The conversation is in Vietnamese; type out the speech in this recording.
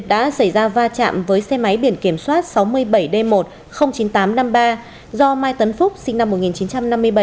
đã xảy ra va chạm với xe máy biển kiểm soát sáu mươi bảy d một trăm linh chín nghìn tám trăm năm mươi ba do mai tấn phúc sinh năm một nghìn chín trăm năm mươi bảy